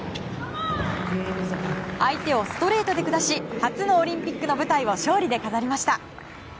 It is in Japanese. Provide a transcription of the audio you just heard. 相手をストレートで下し初のオリンピックの舞台を勝利で飾りました。